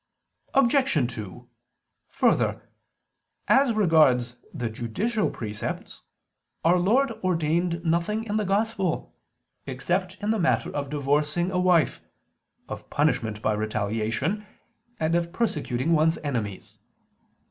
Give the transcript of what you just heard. Obj. 2: Further, as regards the judicial precepts, Our Lord ordained nothing in the Gospel, except in the matter of divorcing a wife, of punishment by retaliation, and of persecuting one's enemies.